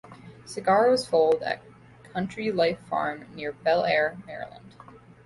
Cigar was foaled at Country Life Farm near Bel Air, Maryland.